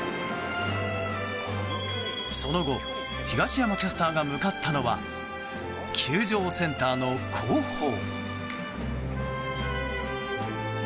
その後東山キャスターが向かったのは球場センターの後方。